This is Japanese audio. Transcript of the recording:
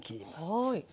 はい。